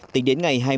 từ đến ngày hai mươi